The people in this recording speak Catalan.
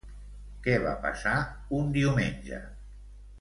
Què va passar un diumenge?